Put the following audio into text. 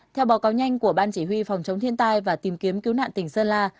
theo báo cáo nhanh của ban chỉ huy phòng chống thiên tai và tìm kiếm cứu nạn tỉnh sơn la